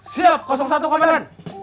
siap satu komitmen